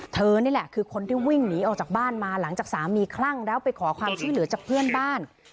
นี่แหละคือคนที่วิ่งหนีออกจากบ้านมาหลังจากสามีคลั่งแล้วไปขอความช่วยเหลือจากเพื่อนบ้าน